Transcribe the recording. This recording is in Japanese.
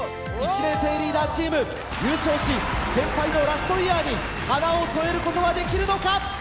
１年生リーダーチーム優勝し先輩のラストイヤーに花を添えることはできるのか？